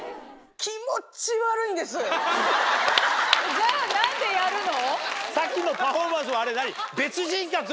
じゃあ何でやるの？